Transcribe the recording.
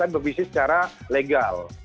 tapi berbisnis secara legal